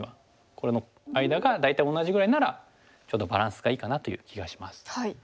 これの間が大体同じぐらいならちょうどバランスがいいかなという気がします。